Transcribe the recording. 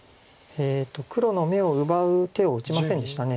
黒の眼を奪う手を打ちませんでした。